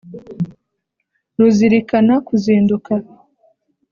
ruzirikana kuzinduka